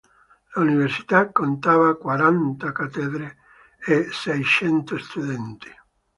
L'Università contava quaranta cattedre e seicento studenti.